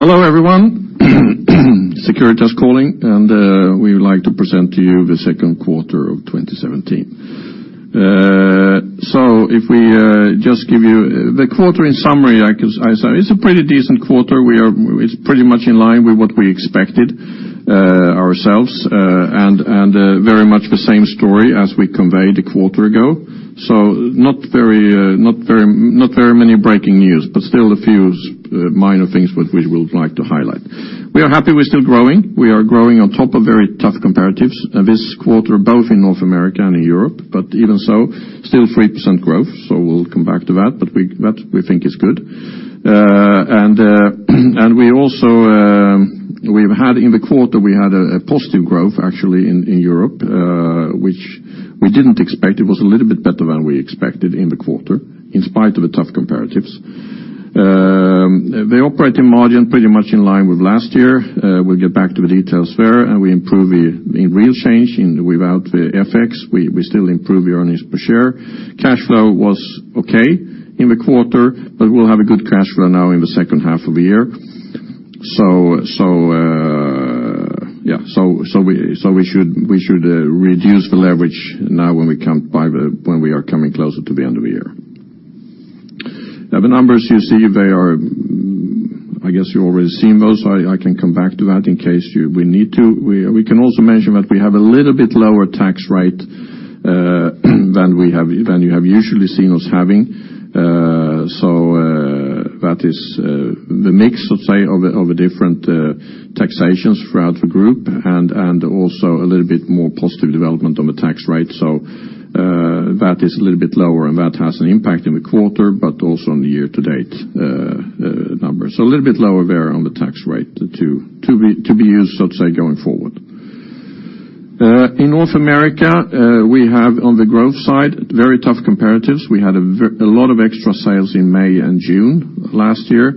Hello everyone. Securitas calling, and we would like to present to you the second quarter of 2017. If we just give you the quarter in summary, I said it's a pretty decent quarter. It's pretty much in line with what we expected ourselves, and very much the same story as we conveyed a quarter ago. So not very many breaking news, but still a few minor things which we would like to highlight. We are happy we're still growing. We are growing on top of very tough comparatives this quarter, both in North America and in Europe. But even so, still 3% growth, so we'll come back to that, but what we think is good. And we also, we've had in the quarter we had a positive growth, actually, in Europe, which we didn't expect. It was a little bit better than we expected in the quarter, in spite of the tough comparatives. The operating margin pretty much in line with last year. We'll get back to the details there, and we improve the in real change in without the FX, we still improve the earnings per share. Cash flow was okay in the quarter, but we'll have a good cash flow now in the second half of the year. So, yeah, we should reduce the leverage now when we come by the when we are coming closer to the end of the year. The numbers you see, they are I guess you've already seen those. I can come back to that in case you need to. We can also mention that we have a little bit lower tax rate than you have usually seen us having. So, that is the mix, let's say, of a different taxations throughout the group and also a little bit more positive development on the tax rate. So, that is a little bit lower, and that has an impact in the quarter but also on the year-to-date number. So a little bit lower there on the tax rate to be used, let's say, going forward. In North America, we have on the growth side very tough comparatives. We had a lot of extra sales in May and June last year.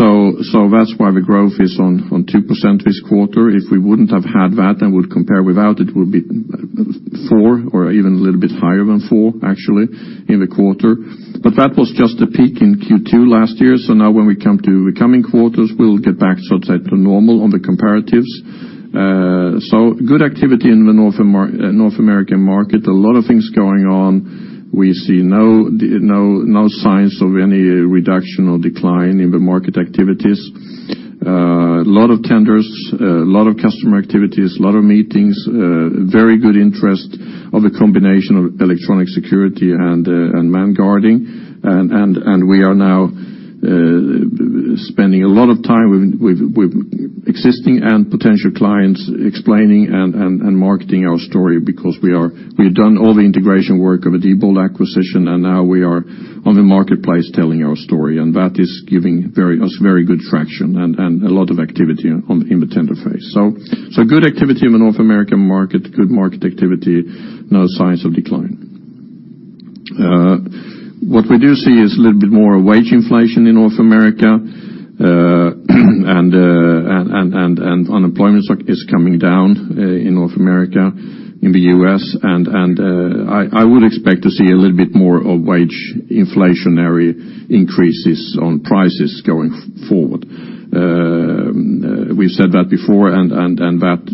So that's why the growth is on 2% this quarter. If we wouldn't have had that and would compare without it, it would be 4% or even a little bit higher than 4%, actually, in the quarter. But that was just the peak in Q2 last year. So now when we come to the coming quarters, we'll get back, so to say, to normal on the comparatives. So good activity in the North American market. A lot of things going on. We see no, no signs of any reduction or decline in the market activities. A lot of tenders, a lot of customer activities, a lot of meetings, very good interest of a combination of electronic security and manned guarding. And we are now spending a lot of time with existing and potential clients explaining and marketing our story because we've done all the integration work of a Diebold acquisition, and now we are on the marketplace telling our story. And that is giving us very good traction and a lot of activity on the tender phase. So good activity in the North American market, good market activity, no signs of decline. What we do see is a little bit more wage inflation in North America, and unemployment is coming down in North America, in the US. And I would expect to see a little bit more of wage inflationary increases on prices going forward. We've said that before, and that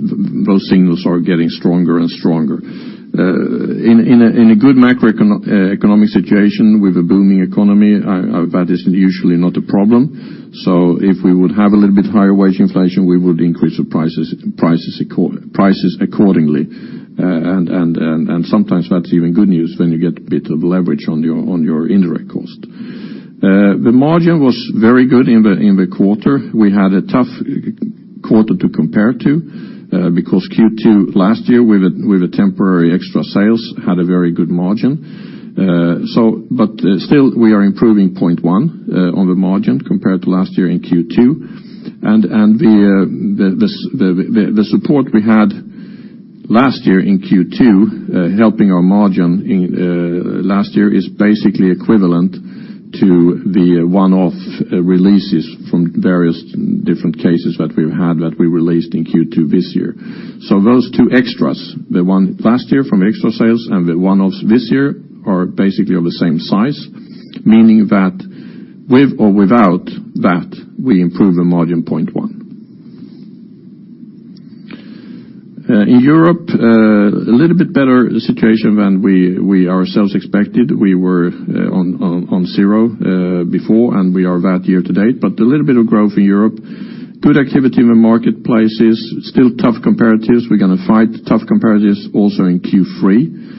those signals are getting stronger and stronger. In a good macroeconomic situation with a booming economy, that is usually not a problem. So if we would have a little bit higher wage inflation, we would increase the prices accordingly. And sometimes that's even good news when you get a bit of leverage on your indirect cost. The margin was very good in the quarter. We had a tough quarter to compare to, because Q2 last year with a temporary extra sales had a very good margin. So but still, we are improving 0.1 on the margin compared to last year in Q2. And the support we had last year in Q2, helping our margin in last year is basically equivalent to the one-off releases from various different cases that we've had that we released in Q2 this year. So those two extras, the one last year from extra sales and the one-offs this year, are basically of the same size, meaning that with or without that, we improve the margin 0.1 in Europe, a little bit better situation than we ourselves expected. We were on 0 before, and we are that year to date. But a little bit of growth in Europe, good activity in the marketplaces, still tough comparatives. We're going to face tough comparatives also in Q3.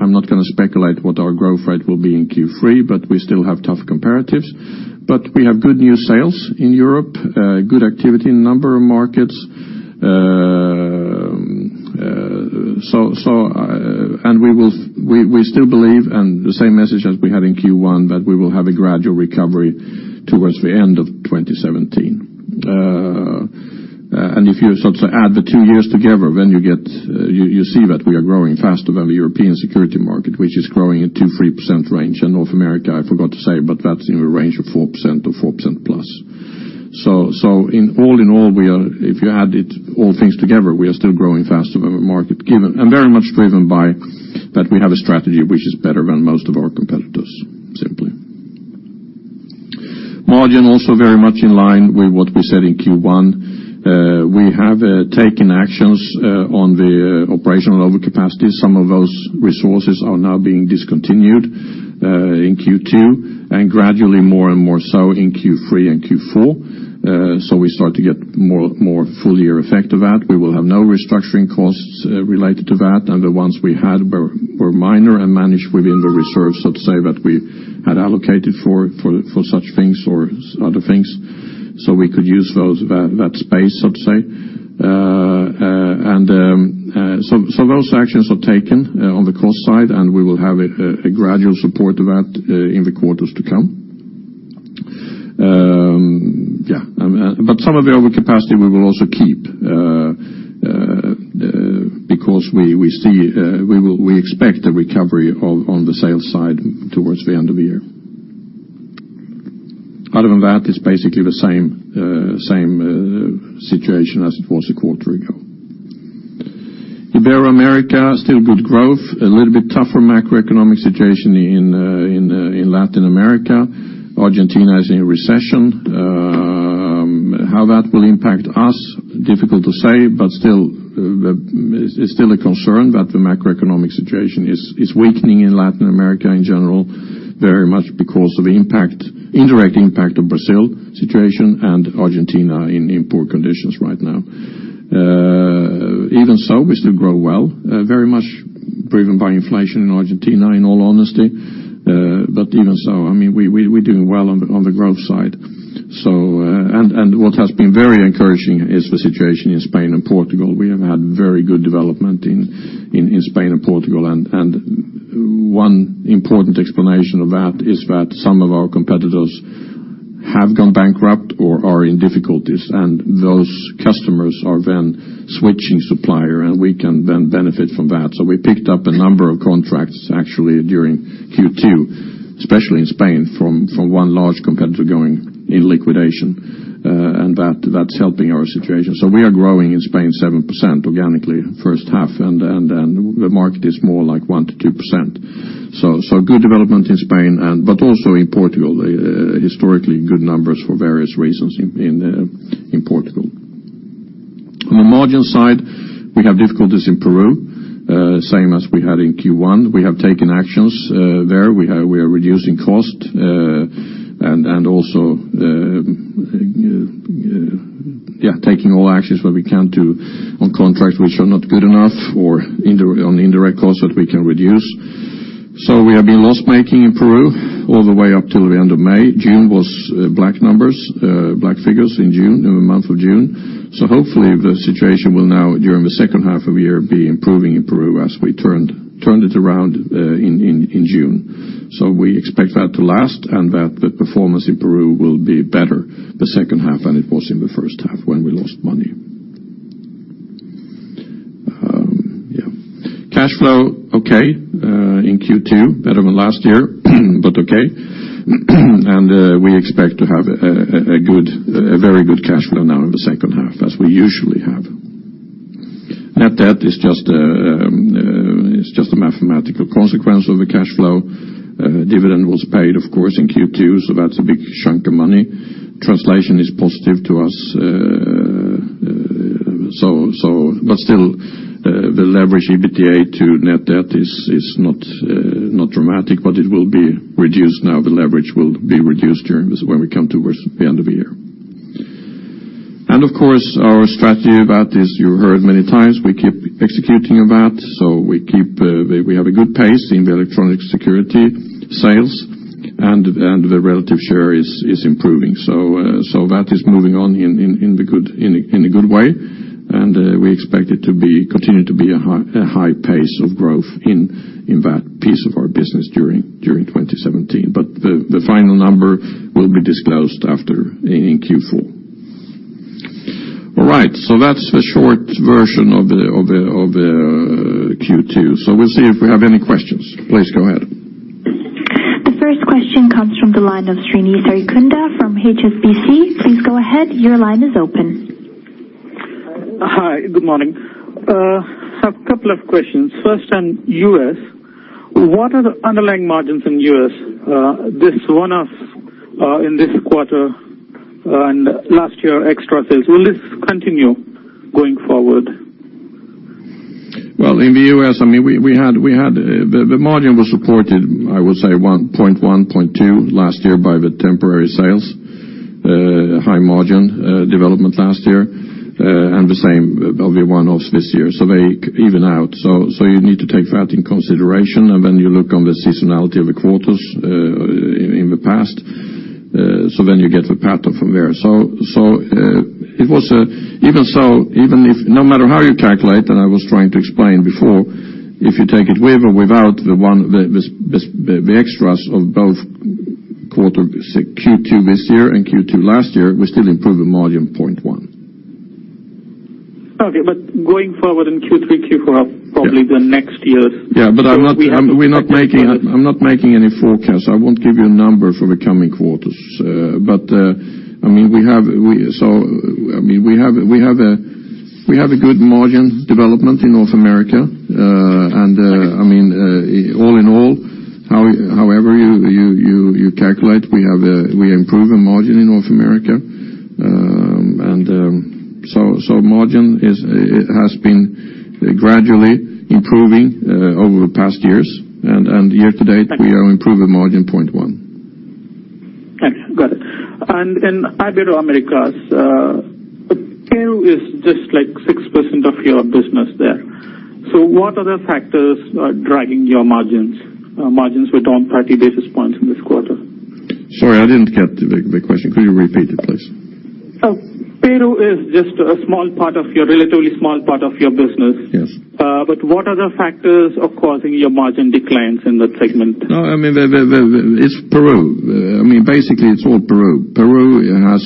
I'm not going to speculate what our growth rate will be in Q3, but we still have tough comparatives. But we have good new sales in Europe, good activity in a number of markets. So, we still believe, and the same message as we had in Q1, that we will have a gradual recovery towards the end of 2017. And if you, so to say, add the two years together, then you see that we are growing faster than the European security market, which is growing in the 2%-3% range. And North America, I forgot to say, but that's in the range of 4% or 4%+. So, in all, if you add it all together, we are still growing faster than the market given and very much driven by that we have a strategy which is better than most of our competitors, simply. Margin also very much in line with what we said in Q1. We have taken actions on the operational overcapacity. Some of those resources are now being discontinued in Q2 and gradually more and more so in Q3 and Q4. We start to get more fully effective at. We will have no restructuring costs related to that. The ones we had were minor and managed within the reserves, so to say, that we had allocated for such things or other things. We could use those, that space, so to say. So those actions are taken on the cost side, and we will have a gradual support of that in the quarters to come. Yeah. But some of the overcapacity we will also keep, because we see we will expect a recovery on the sales side towards the end of the year. Other than that, it's basically the same situation as it was a quarter ago. In North America, still good growth, a little bit tougher macroeconomic situation in Latin America. Argentina is in recession. How that will impact us, difficult to say, but still, it's still a concern that the macroeconomic situation is weakening in Latin America in general, very much because of indirect impact of Brazil situation and Argentina in poor conditions right now. Even so, we still grow well, very much driven by inflation in Argentina, in all honesty. But even so, I mean, we're doing well on the growth side. So, what has been very encouraging is the situation in Spain and Portugal. We have had very good development in Spain and Portugal. One important explanation of that is that some of our competitors have gone bankrupt or are in difficulties, and those customers are then switching supplier, and we can then benefit from that. So we picked up a number of contracts, actually, during Q2, especially in Spain, from one large competitor going in liquidation. And that's helping our situation. So we are growing in Spain 7% organically first half, and the market is more like 1%-2%. So good development in Spain and but also in Portugal, historically good numbers for various reasons in Portugal. On the margin side, we have difficulties in Peru, same as we had in Q1. We have taken actions, there. We are reducing cost, and also, yeah, taking all actions that we can to on contracts which are not good enough or indirect costs that we can reduce. So we have been loss-making in Peru all the way up till the end of May. June was black numbers, black figures in June, in the month of June. So hopefully, the situation will now during the second half of the year be improving in Peru as we turned it around in June. So we expect that to last and that the performance in Peru will be better the second half than it was in the first half when we lost money. Yeah. Cash flow okay in Q2, better than last year, but okay. We expect to have a very good cash flow now in the second half as we usually have. Net debt is just a mathematical consequence of the cash flow. The dividend was paid, of course, in Q2, so that's a big chunk of money. Translation is positive to us. But still, the leverage EBITDA to net debt is not dramatic, but it will be reduced now. The leverage will be reduced when we come towards the end of the year. Of course, our strategy that you heard many times. We keep executing that. So we keep, we have a good pace in the electronic security sales, and the relative share is improving. So that is moving on in a good way. We expect it to continue to be a high pace of growth in that piece of our business during 2017. But the final number will be disclosed after in Q4. All right. So that's the short version of the Q2. So we'll see if we have any questions. Please go ahead. The first question comes from the line of Srinivasa Sarikonda from HSBC. Please go ahead. Your line is open. Hi. Good morning. I have a couple of questions. First on U.S. What are the underlying margins in U.S., this one-off, in this quarter, and last year extra sales? Will this continue going forward? Well, in the U.S., I mean, we had the margin supported, I would say, 1.1, 0.2 last year by the temporary sales, high margin, development last year, and the same of the one-offs this year. So they even out. So you need to take that in consideration. And then you look on the seasonality of the quarters in the past, so then you get the pattern from there. So it was even so, even if no matter how you calculate and I was trying to explain before, if you take it with or without the extras of both quarter Q2 this year and Q2 last year, we still improve the margin 0.1. Okay. But going forward in Q3, Q4 are probably the next year's quarters. Yeah. But I'm not making any forecasts. I won't give you a number for the coming quarters. But I mean, we have a good margin development in North America. And I mean, all in all, however you calculate, we improve the margin in North America. And so margin has been gradually improving over the past years. And year to date, we are improving margin 0.1%. Thanks. Got it. And Ibero-America, Peru is just like 6% of your business there. So what other factors are dragging your margins down 30 basis points in this quarter? Sorry. I didn't get the question. Could you repeat it, please? So Peru is just a small part of your relatively small part of your business. Yes. But what other factors are causing your margin declines in that segment? No, I mean, it's Peru. I mean, basically, it's all Peru. Peru has,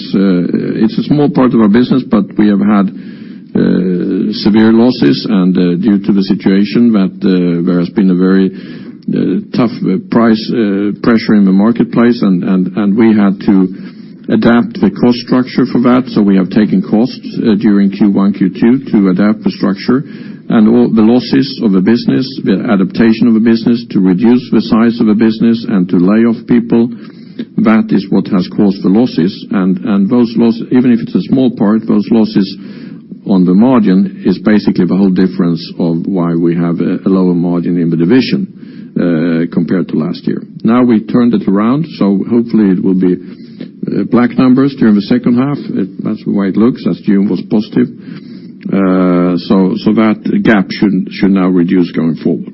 it's a small part of our business, but we have had severe losses. And due to the situation that there has been a very tough price pressure in the marketplace, and we had to adapt the cost structure for that. So we have taken costs during Q1, Q2 to adapt the structure. And all the losses of the business, the adaptation of the business to reduce the size of the business and to lay off people, that is what has caused the losses. And those losses even if it's a small part, those losses on the margin is basically the whole difference of why we have a lower margin in the division, compared to last year. Now we turned it around. So hopefully, it will be black numbers during the second half. That's why it looks as June was positive. So that gap shouldn't now reduce going forward.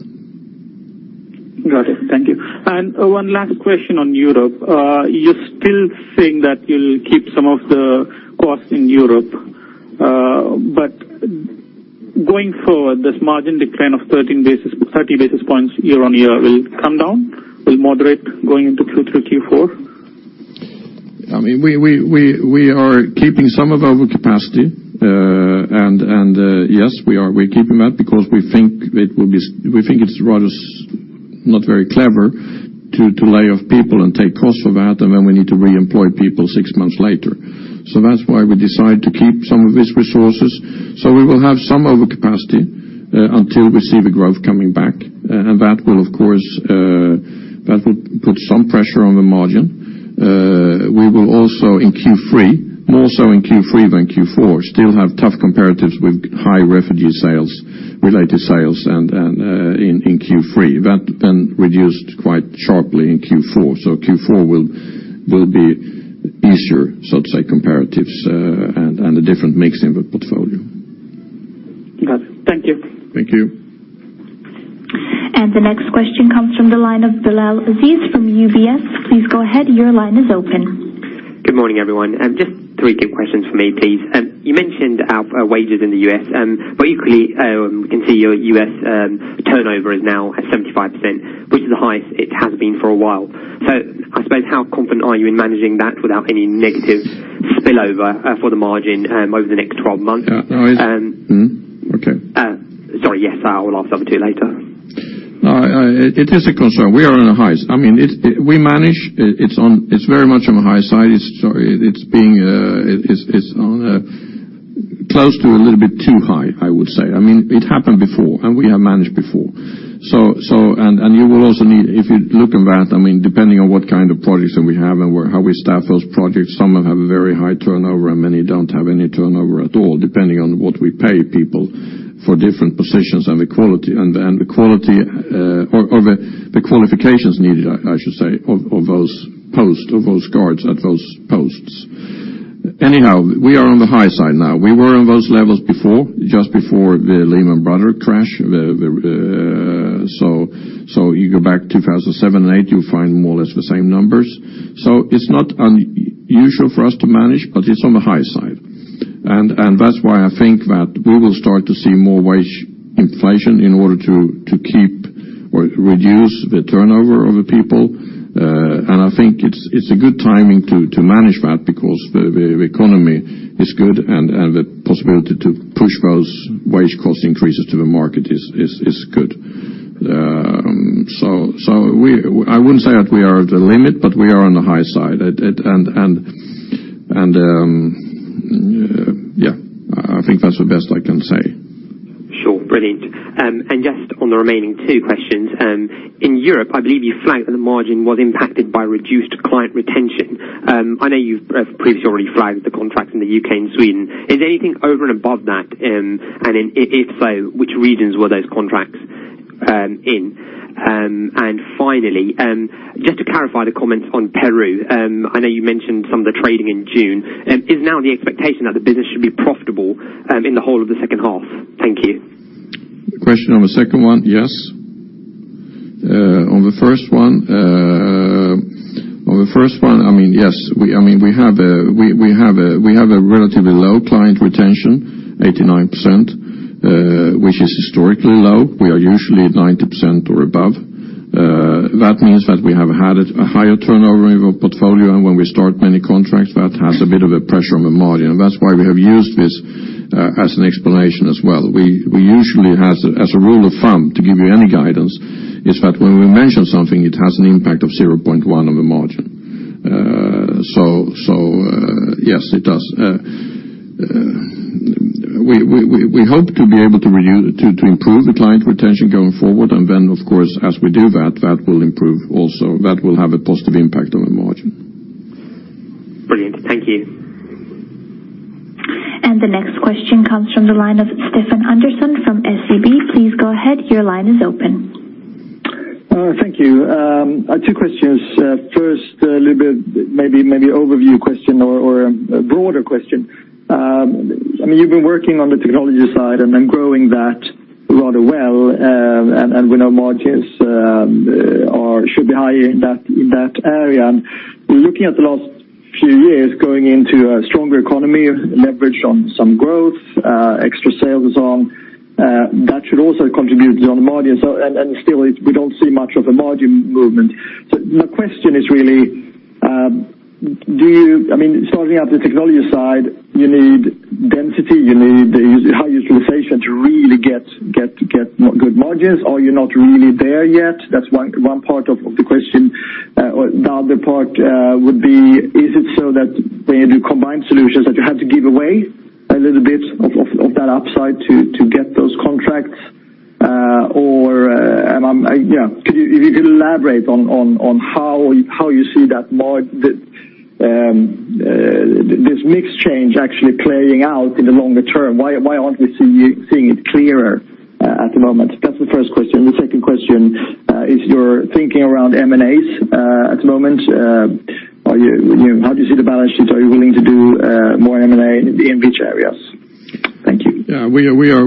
Got it. Thank you. And one last question on Europe. You're still saying that you'll keep some of the costs in Europe. But going forward, this margin decline of 13, 30 basis points year-on-year will come down, will moderate going into Q3, Q4? I mean, we are keeping some of overcapacity. And yes, we're keeping that because we think it's rather not very clever to lay off people and take costs for that, and then we need to reemploy people six months later. So that's why we decide to keep some of these resources. So we will have some overcapacity, until we see the growth coming back. And that will, of course, put some pressure on the margin. We will also in Q3, more so in Q3 than Q4, still have tough comparatives with high refugee sales-related sales in Q3. That then reduced quite sharply in Q4. So Q4 will be easier, so to say, comparatives, and a different mix in the portfolio. Got it. Thank you. Thank you. And the next question comes from the line of Bilal Aziz from UBS. Please go ahead. Your line is open. Good morning, everyone. Just three quick questions for me, please. You mentioned our wages in the U.S. But equally, we can see your U.S. turnover is now at 75%, which is the highest it has been for a while. So I suppose how confident are you in managing that without any negative spillover for the margin over the next 12 months? Yeah. No, it's okay. Sorry. Yes. I will ask some too later. No, it is a concern. We are on the highest. I mean, we manage. It's very much on the high side. Sorry. It's, it's on close to a little bit too high, I would say. I mean, it happened before, and we have managed before. So you will also need, if you look on that. I mean, depending on what kind of projects that we have and where, how we staff those projects, some have a very high turnover, and many don't have any turnover at all, depending on what we pay people for different positions and the quality, or the qualifications needed, I should say, of those posts of those guards at those posts. Anyhow, we are on the high side now. We were on those levels before, just before the Lehman Brothers crash. So you go back 2007 and 2008, you'll find more or less the same numbers. So it's not unusual for us to manage, but it's on the high side. And that's why I think that we will start to see more wage inflation in order to keep or reduce the turnover of the people. And I think it's a good timing to manage that because the economy is good, and the possibility to push those wage cost increases to the market is good. So we—I wouldn't say that we are at the limit, but we are on the high side. And yeah, I think that's the best I can say. Sure. Brilliant. And just on the remaining two questions, in Europe, I believe you flagged that the margin was impacted by reduced client retention. I know you've previously already flagged the contracts in the U.K. and Sweden. Is anything over and above that, and if so, which regions were those contracts in? Finally, just to clarify the comments on Peru, I know you mentioned some of the trading in June. Is now the expectation that the business should be profitable, in the whole of the second half? Thank you. Question on the second one. Yes. On the first one, I mean, yes. We, I mean, we have a relatively low client retention, 89%, which is historically low. We are usually at 90% or above. That means that we have had a higher turnover in our portfolio, and when we start many contracts, that has a bit of a pressure on the margin. And that's why we have used this, as an explanation as well. We usually has as a rule of thumb to give you any guidance is that when we mention something, it has an impact of 0.1 on the margin. So, yes, it does. We hope to be able to reduce to improve the client retention going forward. And then, of course, as we do that, that will improve also that will have a positive impact on the margin. Brilliant. Thank you. And the next question comes from the line of Stefan Andersson from SEB. Please go ahead. Your line is open. Thank you. Two questions. First, a little bit maybe overview question or a broader question. I mean, you've been working on the technology side and growing that rather well. And we know margins are should be higher in that area. Looking at the last few years, going into a stronger economy, leverage on some growth, extra sales and so on, that should also contribute on the margin. So, and still, we don't see much of a margin movement. So my question is really, do you—I mean, starting out the technology side, you need density. You need the high utilization to really get good margins. Are you not really there yet? That's one part of the question. Or the other part would be, is it so that when you do combined solutions, that you have to give away a little bit of that upside to get those contracts? Or, and I'm yeah. Could you elaborate on how you see that margin, the mix change actually playing out in the longer term? Why aren't we seeing it clearer at the moment? That's the first question. The second question is you're thinking around M&As at the moment. Are you, you know, how do you see the balance sheets? Are you willing to do more M&A in which areas? Thank you. Yeah. We are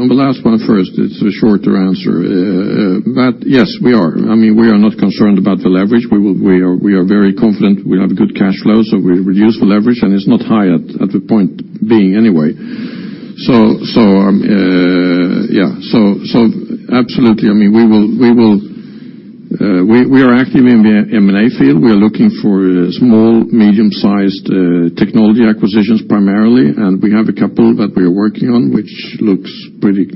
on the last one first. It's a shorter answer, but yes, we are. I mean, we are not concerned about the leverage. We are very confident. We have good cash flows, so we reduce the leverage, and it's not high at the point being anyway. So, yeah. So, absolutely. I mean, we are active in the M&A field. We are looking for small, medium-sized, technology acquisitions primarily. And we have a couple that we are working on, which looks pretty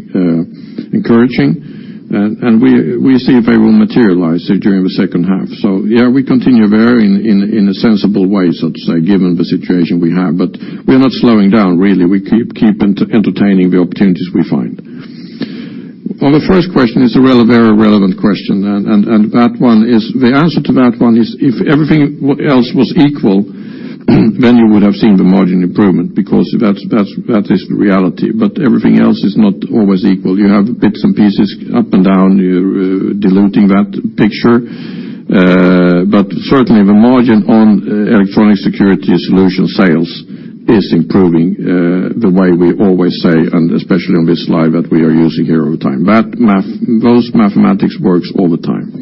encouraging. We see if they will materialize during the second half. So yeah, we continue there in a sensible way, so to say, given the situation we have. But we are not slowing down, really. We keep entertaining the opportunities we find. On the first question, it's a very relevant question. And the answer to that one is if everything else was equal, then you would have seen the margin improvement because that's the reality. But everything else is not always equal. You have bits and pieces up and down. You're diluting that picture. But certainly, the margin on electronic security solution sales is improving, the way we always say, and especially on this slide that we are using here all the time. That math, those mathematics works all the time.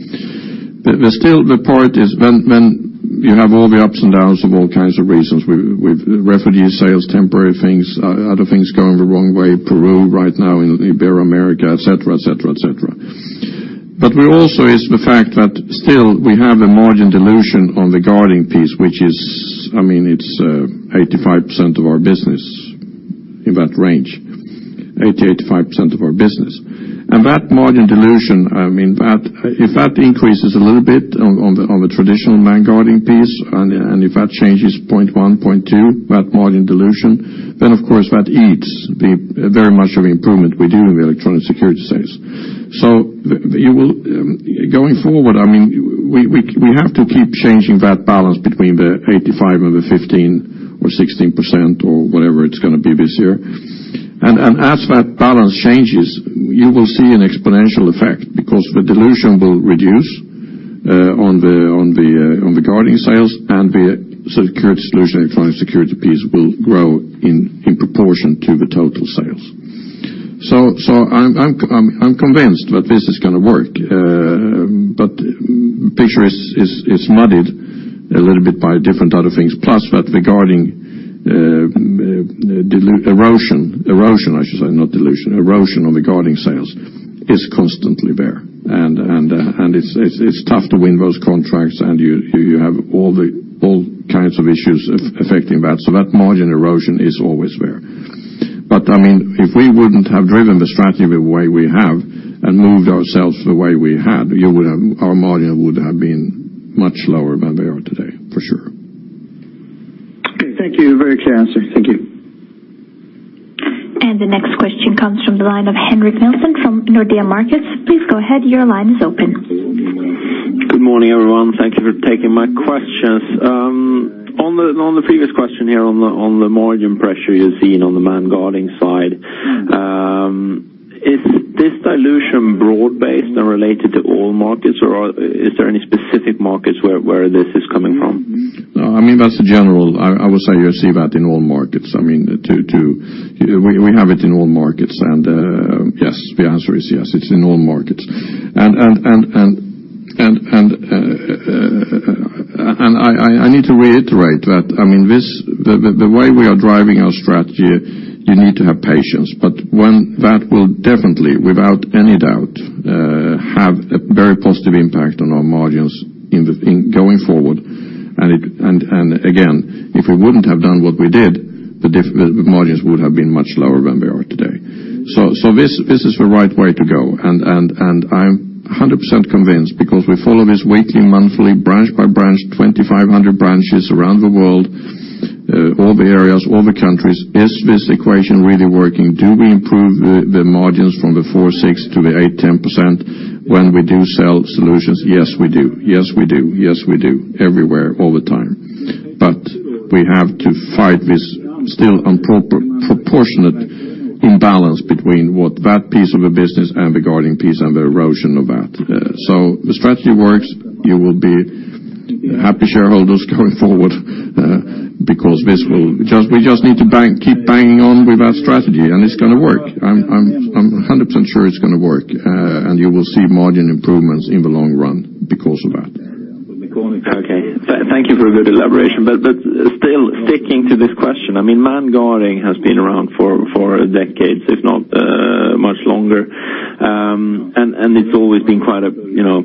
Still, the part is when you have all the ups and downs for all kinds of reasons, we have revenue sales, temporary things, other things going the wrong way, Peru right now in Ibero-America, etc., etc., etc. But we also is the fact that still, we have a margin dilution on the guarding piece, which is, I mean, 85% of our business in that range, 80%-85% of our business. And that margin dilution, I mean, that if that increases a little bit on the traditional man-guarding piece, and if that changes 0.1, 0.2, that margin dilution, then, of course, that eats very much of the improvement we do in the electronic security sales. So you will going forward, I mean, we have to keep changing that balance between the 85% and the 15% or 16% or whatever it's going to be this year. And as that balance changes, you will see an exponential effect because the dilution will reduce on the guarding sales, and the security solution electronic security piece will grow in proportion to the total sales. So I'm convinced that this is going to work. But the picture is muddied a little bit by different other things, plus that the guarding erosion, I should say, not dilution, erosion on the guarding sales is constantly there. And it's tough to win those contracts, and you have all kinds of issues affecting that. So that margin erosion is always there. But I mean, if we wouldn't have driven the strategy the way we have and moved ourselves the way we had, you would have our margin would have been much lower than they are today, for sure. Okay. Thank you. Very clear answer. Thank you. And the next question comes from the line of Henrik Nilsson from Nordea Markets. Please go ahead. Your line is open. Good morning, everyone. Thank you for taking my questions. On the previous question here on the margin pressure you've seen on the man-guarding side, is this dilution broad-based and related to all markets, or is there any specific markets where this is coming from? No, I mean, that's a general. I will say you'll see that in all markets. I mean, we have it in all markets. And, yes, the answer is yes. It's in all markets. I need to reiterate that, I mean, this, the way we are driving our strategy. You need to have patience. But when that will definitely, without any doubt, have a very positive impact on our margins going forward. And again, if we wouldn't have done what we did, the margins would have been much lower than they are today. So this is the right way to go. And I'm 100% convinced because we follow this weekly, monthly, branch-by-branch 2,500 branches around the world, all the areas, all the countries. Is this equation really working? Do we improve the margins from the 4%-6% to the 8%-10% when we do sell solutions? Yes, we do. Yes, we do. Yes, we do everywhere all the time. But we have to fight this still disproportionate imbalance between what that piece of the business and the guarding piece and the erosion of that. The strategy works. You will be happy shareholders going forward, because we just need to keep banging on with that strategy, and it's going to work. I'm 100% sure it's going to work. You will see margin improvements in the long run because of that. Okay. Thank you for a good elaboration. But still sticking to this question, I mean, manned guarding has been around for decades, if not much longer. And it's always been quite a, you know,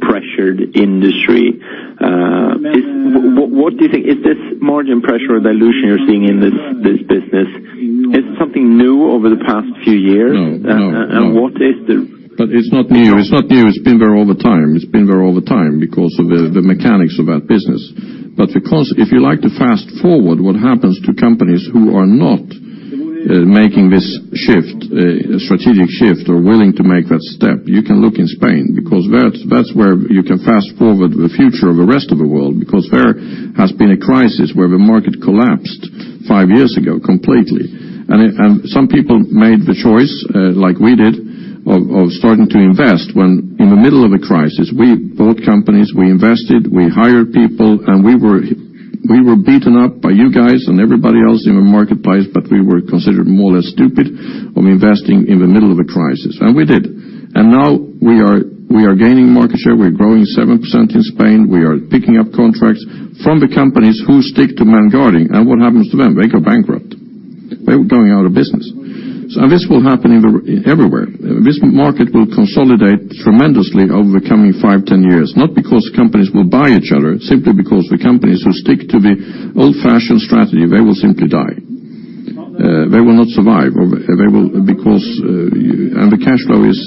pressured industry. What do you think is this margin pressure or dilution you're seeing in this business? Is it something new over the past few years? No. No. And what is the but it's not new. It's not new. It's been there all the time. It's been there all the time because of the mechanics of that business. But because if you like to fast forward, what happens to companies who are not making this shift, strategic shift or willing to make that step? You can look in Spain because that's where you can fast forward the future of the rest of the world because there has been a crisis where the market collapsed five years ago completely. And some people made the choice, like we did, of starting to invest when in the middle of a crisis. We bought companies, we invested, we hired people, and we were beaten up by you guys and everybody else in the marketplace, but we were considered more or less stupid of investing in the middle of a crisis. And we did. And now we are gaining market share. We're growing 7% in Spain. We are picking up contracts from the companies who stick to man-guarding. And what happens to them? They go bankrupt. They're going out of business. And this will happen everywhere. This market will consolidate tremendously over the coming 5-10 years, not because companies will buy each other, simply because the companies who stick to the old-fashioned strategy, they will simply die. They will not survive. Or they will because the cash flow is,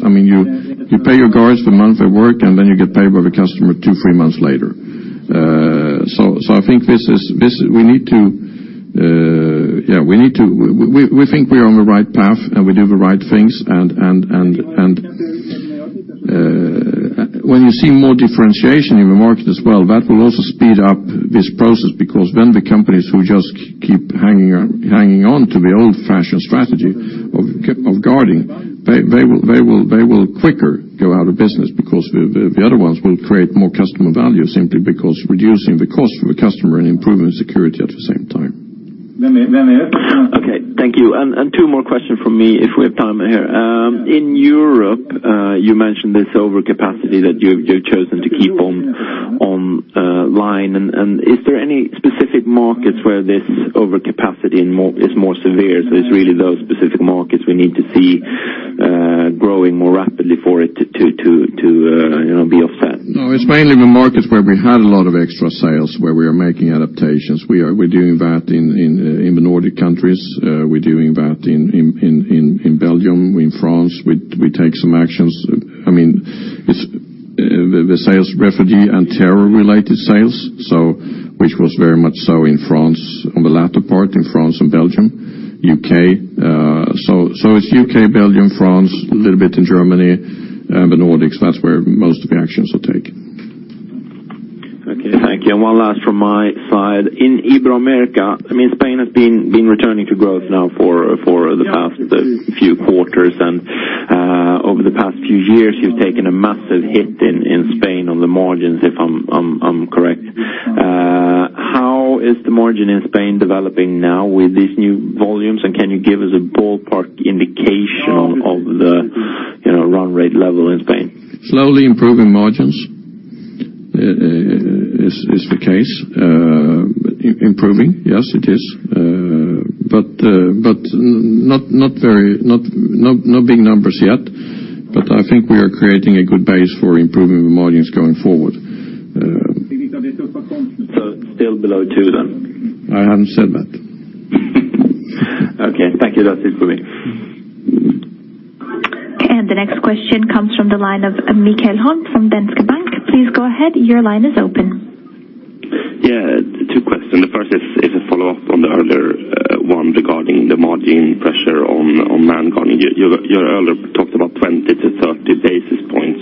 I mean, you pay your guards for months of work, and then you get paid by the customer two, three months later. So I think this is, we need to, yeah, we need to, we think we are on the right path, and we do the right things. And when you see more differentiation in the market as well, that will also speed up this process because then the companies who just keep hanging on to the old-fashioned strategy of guarding, they will quicker go out of business because the other ones will create more customer value simply because reducing the cost for the customer and improving security at the same time. Let me, Okay. Thank you. Two more questions from me if we have time here. In Europe, you mentioned this overcapacity that you've chosen to keep on line. And is there any specific markets where this overcapacity is more severe? So it's really those specific markets we need to see growing more rapidly for it to you know be offset? No, it's mainly the markets where we had a lot of extra sales, where we are making adaptations. We are doing that in the Nordic countries. We're doing that in Belgium, in France. We take some actions. I mean, it's the sales refugee and terror-related sales, so which was very much so in France on the latter part, in France and Belgium, U.K. So it's U.K., Belgium, France, a little bit in Germany, and the Nordics. That's where most of the actions are taken. Okay. Thank you. And one last from my side. In Ibero-America, I mean, Spain has been returning to growth now for the past few quarters. Over the past few years, you've taken a massive hit in Spain on the margins, if I'm correct. How is the margin in Spain developing now with these new volumes? And can you give us a ballpark indication of the, you know, run-rate level in Spain? Slowly improving margins is the case. Improving. Yes, it is. But not very big numbers yet. But I think we are creating a good base for improving the margins going forward. Still below two then? I haven't said that. Okay. Thank you. That's it for me. And the next question comes from the line of Mikael Holm from Danske Bank. Please go ahead. Your line is open. Yeah. Two questions. The first is a follow-up on the earlier one regarding the margin pressure on man-guarding. You earlier talked about 20-30 basis points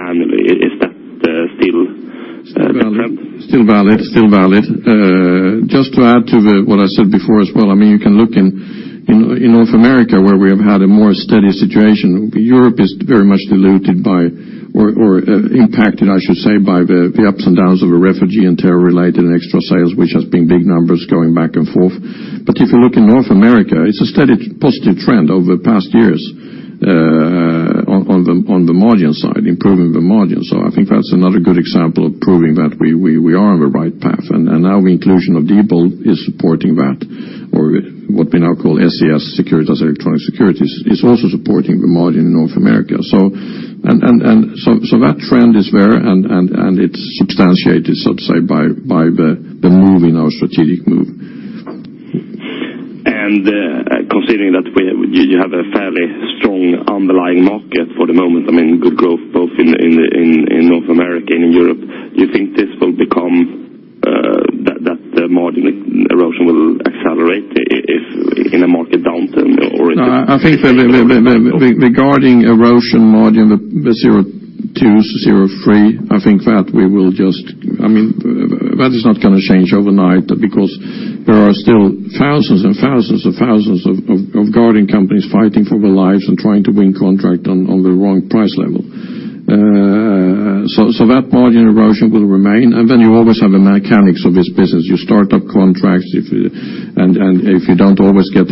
annually. Is that still trend? Still valid. Still valid. Just to add to what I said before as well, I mean, you can look in North America where we have had a more steady situation. Europe is very much diluted by or impacted, I should say, by the ups and downs of the refugee and terror-related and extra sales, which has been big numbers going back and forth. But if you look in North America, it's a steady positive trend over the past years, on the margin side, improving the margins. So I think that's another good example of proving that we are on the right path. And now the inclusion of Diebold is supporting that, or what we now call SES, Securitas Electronic Securities, is also supporting the margin in North America. So that trend is there, and it's substantiated, so to say, by the move in our strategic move. And considering that we have a fairly strong underlying market for the moment, I mean, good growth both in North America and in Europe, do you think this will become that the margin erosion will accelerate if in a market downturn or if it? I think the guarding erosion margin, the 0.2-0.3, I think that we will just I mean, that is not going to change overnight because there are still thousands and thousands and thousands of guarding companies fighting for their lives and trying to win contract on the wrong price level. So that margin erosion will remain. And then you always have the mechanics of this business. You start up contracts if and if you don't always get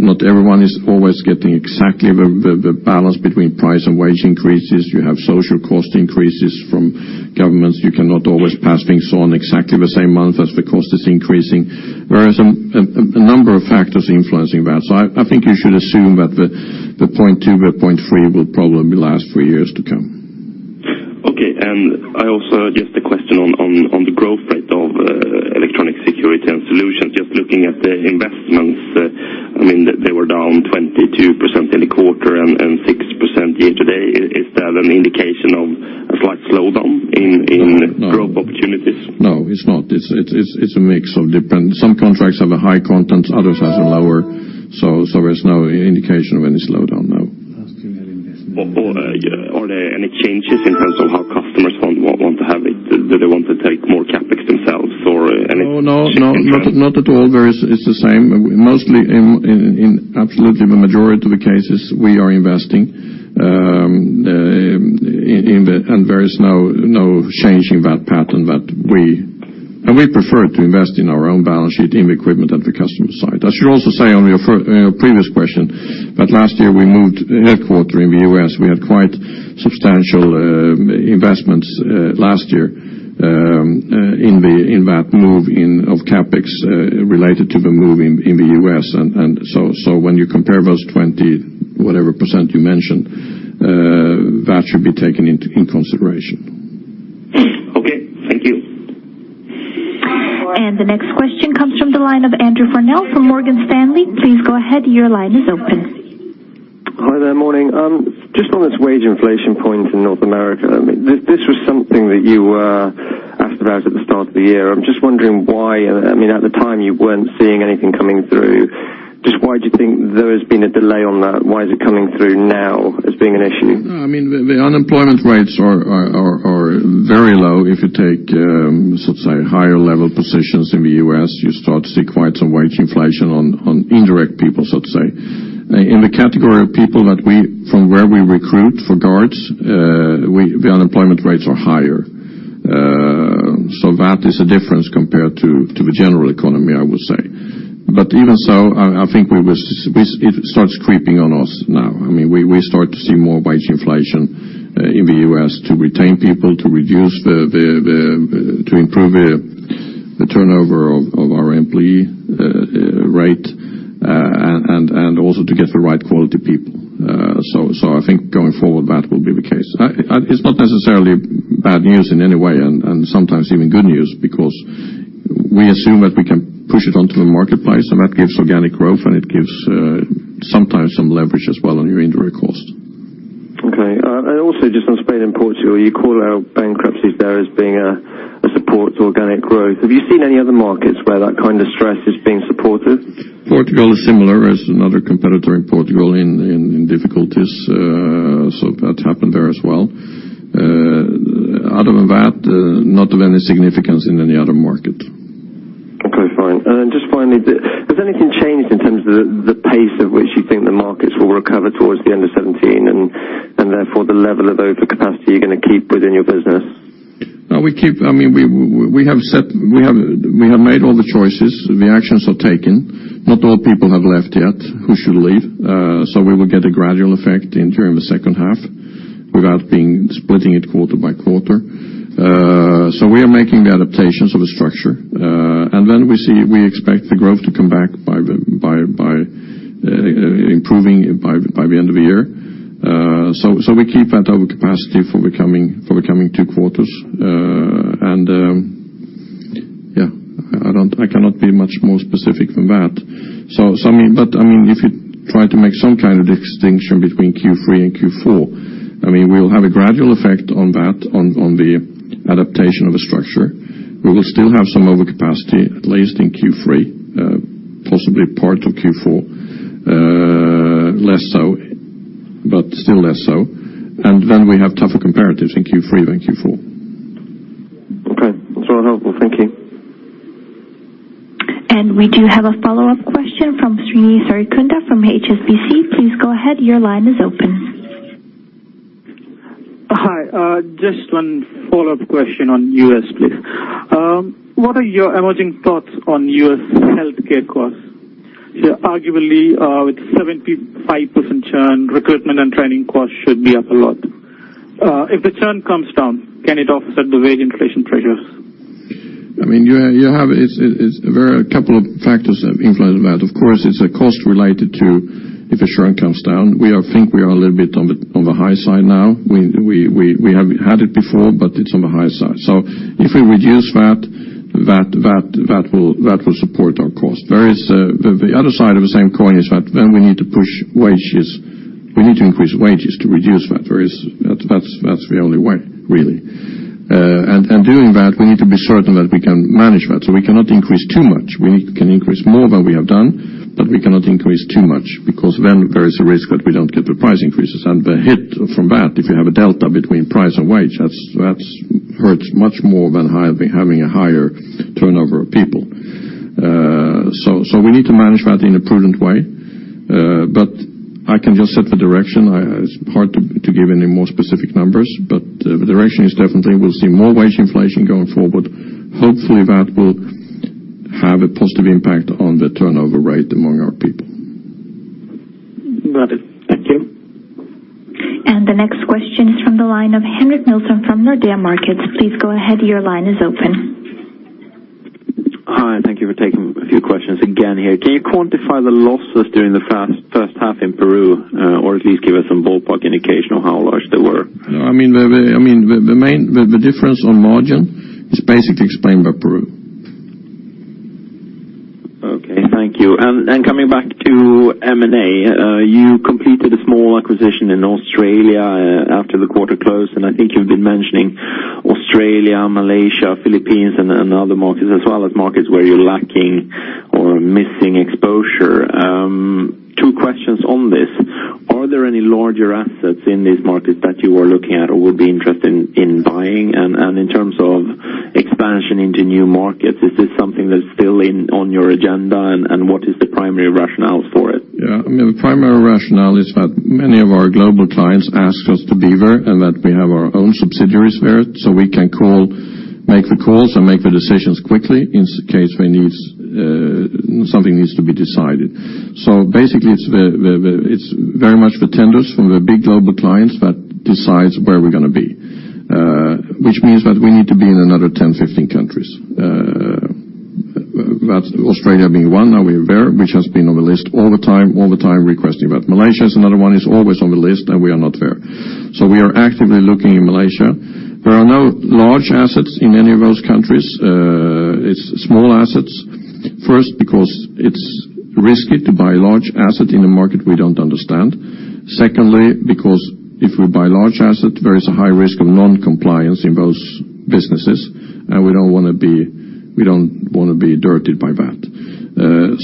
not everyone is always getting exactly the balance between price and wage increases. You have social cost increases from governments. You cannot always pass things on exactly the same month as the cost is increasing, whereas a number of factors influencing that. So I think you should assume that the 0.2-0.3 will probably last three years to come. Okay. And I also just a question on the growth rate of electronic security and solutions. Just looking at the investments, I mean, they were down 22% in the quarter and 6% year to date. Is that an indication of a slight slowdown in growth opportunities? No, it's not. It's a mix of different. Some contracts have a high content, others have a lower. So there's no indication of any slowdown now. Or are there any changes in terms of how customers want to have it? Do they want to take more CapEx themselves or any? No, no, no. Not at all. There, it's the same. Mostly in absolutely the majority of the cases, we are investing. In the end, there is no change in that pattern that we prefer to invest in our own balance sheet, in the equipment at the customer's side. I should also say on your previous question that last year we moved headquarters in the U.S. We had quite substantial investments last year in that move in of CapEx related to the move in the U.S. And so when you compare those 20 whatever percent you mentioned, that should be taken into consideration. Okay. Thank you. And the next question comes from the line of Andrew Farnell from Morgan Stanley. Please go ahead. Your line is open. Hi there. Morning. Just on this wage inflation point in North America, I mean, this was something that you asked about at the start of the year. I'm just wondering why I mean, at the time, you weren't seeing anything coming through. Just why do you think there has been a delay on that? Why is it coming through now as being an issue? No, I mean, the unemployment rates are very low. If you take, so to say, higher-level positions in the U.S., you start to see quite some wage inflation on indirect people, so to say. In the category of people that we from where we recruit for guards, the unemployment rates are higher. So that is a difference compared to the general economy, I would say. But even so, I think it starts creeping on us now. I mean, we start to see more wage inflation in the U.S. to retain people, to reduce the to improve the turnover of our employee rate, and also to get the right quality people. I think going forward, that will be the case. It's not necessarily bad news in any way and sometimes even good news because we assume that we can push it onto the marketplace, and that gives organic growth, and it gives sometimes some leverage as well on your indirect cost. Okay. Also just in Spain and Portugal, you call out bankruptcies there as being a support to organic growth. Have you seen any other markets where that kind of stress is being supported? Portugal is similar. It's another competitor in Portugal in difficulties. So that happened there as well. Other than that, not of any significance in any other market. Okay. Fine. And then just finally, has anything changed in terms of the pace of which you think the markets will recover towards the end of 2017 and therefore the level of overcapacity you're going to keep within your business? No, we keep. I mean, we have set. We have made all the choices. The actions are taken. Not all people have left yet who should leave. So we will get a gradual effect during the second half without being splitting it quarter by quarter. So we are making the adaptations of the structure. And then we see we expect the growth to come back by improving by the end of the year. So we keep that overcapacity for the coming two quarters. And, yeah, I don't, I cannot be much more specific than that. So, so I mean, but I mean, if you try to make some kind of distinction between Q3 and Q4, I mean, we'll have a gradual effect on that, on, on the adaptation of the structure. We will still have some overcapacity at least in Q3, possibly part of Q4, less so, but still less so. And then we have tougher comparatives in Q3 than Q4. Okay. That's all helpful. Thank you. And we do have a follow-up question from Srinivasa Sarikonda from HSBC. Please go ahead. Your line is open. Hi. Just one follow-up question on U.S., please. What are your emerging thoughts on U.S. healthcare costs? Arguably, with 75% churn, recruitment and training costs should be up a lot. If the churn comes down, can it offset the wage inflation pressures? I mean, you have it's that there are a couple of factors that influence that. Of course, it's a cost related to if the churn comes down. We think we are a little bit on the high side now. We have had it before, but it's on the high side. So if we reduce that, that will support our cost. There is the other side of the same coin is that then we need to increase wages to reduce that, whereas that's the only way, really. And doing that, we need to be certain that we can manage that. So we cannot increase too much. We can increase more than we have done, but we cannot increase too much because then there is a risk that we don't get the price increases. The hit from that, if you have a delta between price and wage, that's, that's hurts much more than having a higher turnover of people. So, so we need to manage that in a prudent way. I can just set the direction. It's hard to give any more specific numbers, but the direction is definitely we'll see more wage inflation going forward. Hopefully, that will have a positive impact on the turnover rate among our people. Got it. Thank you. The next question is from the line of Henrik Nilsson from Nordea Markets. Please go ahead. Your line is open. Hi. Thank you for taking a few questions again here. Can you quantify the losses during the first half in Peru, or at least give us some ballpark indication of how large they were? No, I mean, the main difference on margin is basically explained by Peru. Okay. Thank you. And coming back to M&A, you completed a small acquisition in Australia, after the quarter closed. And I think you've been mentioning Australia, Malaysia, Philippines, and other markets as well as markets where you're lacking or missing exposure. Two questions on this. Are there any larger assets in these markets that you are looking at or would be interested in, in buying? And in terms of expansion into new markets, is this something that's still on your agenda, and what is the primary rationale for it? Yeah. I mean, the primary rationale is that many of our global clients ask us to be there and that we have our own subsidiaries there so we can make the calls and make the decisions quickly in case something needs to be decided. So basically, it's very much the tenders from the big global clients that decides where we're going to be, which means that we need to be in another 10-15 countries. That's Australia being one. Now we're there, which has been on the list all the time requesting that. Malaysia is another one. It's always on the list, and we are not there. So we are actively looking in Malaysia. There are no large assets in any of those countries. It's small assets, first, because it's risky to buy a large asset in a market we don't understand. Secondly, because if we buy a large asset, there is a high risk of noncompliance in those businesses, and we don't want to be—we don't want to be dirtied by that.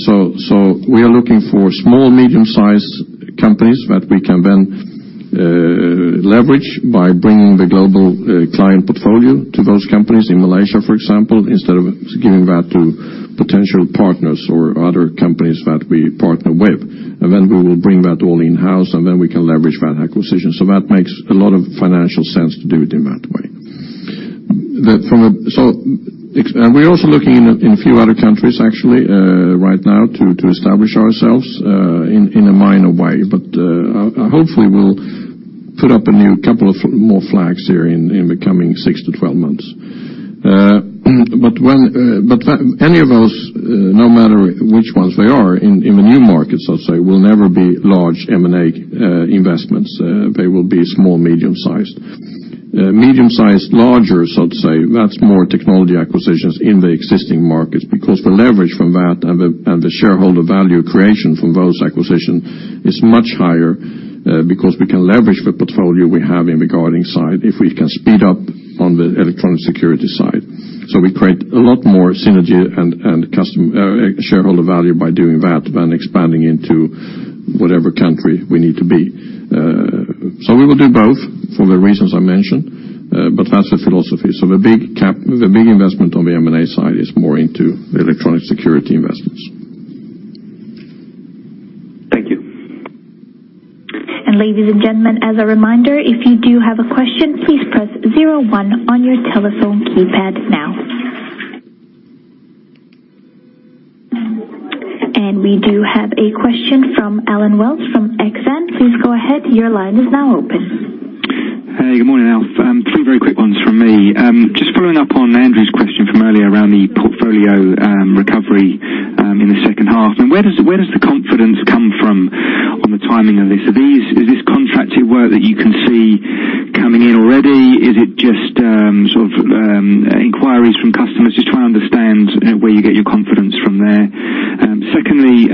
So we are looking for small, medium-sized companies that we can then leverage by bringing the global client portfolio to those companies in Malaysia, for example, instead of giving that to potential partners or other companies that we partner with. Then we will bring that all in-house, and then we can leverage that acquisition. So that makes a lot of financial sense to do it in that way. So we're also looking in a few other countries, actually, right now to establish ourselves in a minor way. But, hopefully, we'll put up a new couple of more flags here in the coming 6-12 months. But any of those no matter which ones they are in the new markets, so to say, will never be large M&A investments. They will be small, medium-sized, larger, so to say. That's more technology acquisitions in the existing markets because the leverage from that and the shareholder value creation from those acquisitions is much higher, because we can leverage the portfolio we have in the guarding side if we can speed up on the electronic security side. So we create a lot more synergy and customer shareholder value by doing that than expanding into whatever country we need to be. So we will do both for the reasons I mentioned, but that's the philosophy. So the big cap the big investment on the M&A side is more into the electronic security investments. Thank you. Ladies and gentlemen, as a reminder, if you do have a question, please press zero one on your telephone keypad now. And we do have a question from Allen Wells from Exane. Please go ahead. Your line is now open. Hey. Good morning, Alf. Three very quick ones from me. Just following up on Andrew's question from earlier around the portfolio recovery in the second half. And where does the confidence come from on the timing of this? Is this contracted work that you can see coming in already? Is it just, sort of, inquiries from customers? Just trying to understand where you get your confidence from there. Secondly,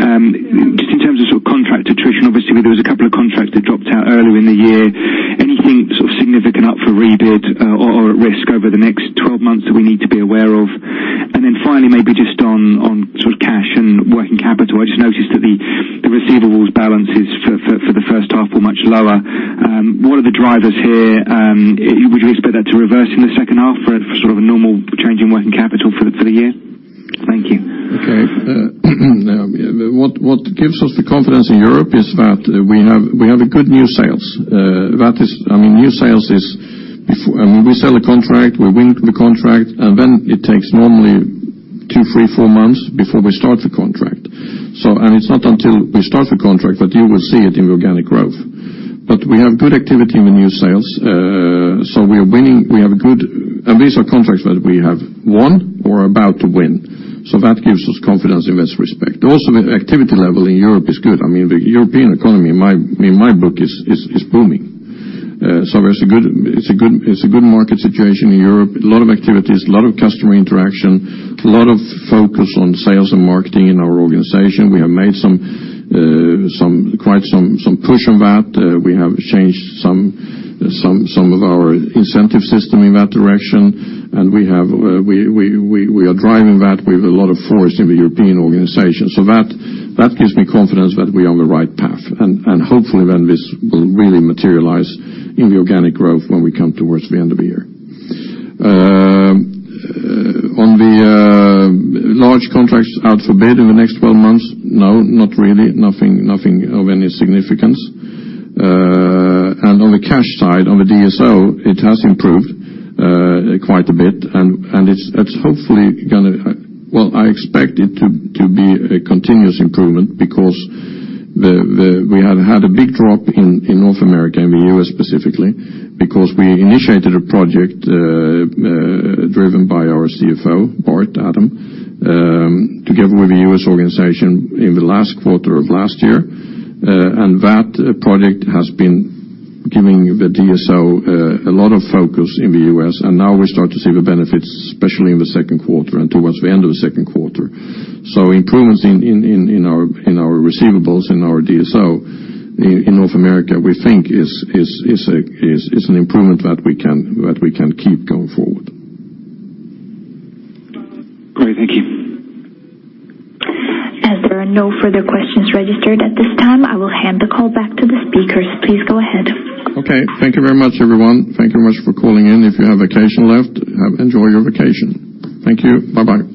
just in terms of sort of contract attrition, obviously, there was a couple of contracts that dropped out earlier in the year. Anything sort of significant up for rebid, or, or at risk over the next 12 months that we need to be aware of? And then finally, maybe just on, on sort of cash and working capital. I just noticed that the receivables balances for the first half were much lower. What are the drivers here? Would you expect that to reverse in the second half for sort of a normal change in working capital for the year? Thank you. Okay. Now, what gives us the confidence in Europe is that we have a good new sales. That is, I mean, new sales is before, I mean, we sell a contract. We win the contract. And then it takes normally two, three, four months before we start the contract. So it's not until we start the contract that you will see it in the organic growth. But we have good activity in the new sales. So we are winning. We have a good and these are contracts that we have won or are about to win. So that gives us confidence in this respect. Also, the activity level in Europe is good. I mean, the European economy, in my book, is booming. So there's a good market situation in Europe. A lot of activities, a lot of customer interaction, a lot of focus on sales and marketing in our organization. We have made quite some push on that. We have changed some of our incentive system in that direction. And we are driving that with a lot of force in the European organization. So that gives me confidence that we are on the right path and hopefully then this will really materialize in the organic growth when we come towards the end of the year. On the large contracts out for bid in the next 12 months? No, not really. Nothing of any significance. And on the cash side, on the DSO, it has improved quite a bit. And it's hopefully going to, well, I expect it to be a continuous improvement because we have had a big drop in North America and the U.S. specifically because we initiated a project, driven by our CFO, Bart Adam, together with the U.S. organization in the last quarter of last year. That project has been giving the DSO a lot of focus in the U.S. And now we start to see the benefits, especially in the second quarter and towards the end of the second quarter. So improvements in our receivables, in our DSO in North America, we think, is an improvement that we can keep going forward. Great. Thank you. As there are no further questions registered at this time, I will hand the call back to the speakers. Please go ahead. Okay. Thank you very much, everyone. Thank you very much for calling in. If you have vacation left, have enjoy your vacation. Thank you. Bye-bye.